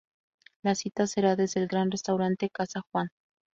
La cita sera desde el gran restaurante Casa Juan